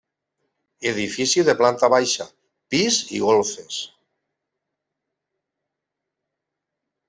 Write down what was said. Edifici de planta baixa, pis i golfes.